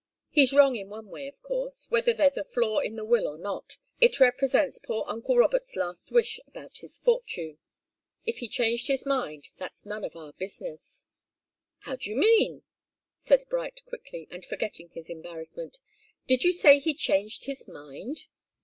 He's wrong in one way, of course. Whether there's a flaw in the will or not, it represents poor uncle Robert's last wish about his fortune. If he changed his mind, that's none of our business " "How do you mean?" said Bright, quickly, and forgetting his embarrassment. "Did you say he changed his mind?"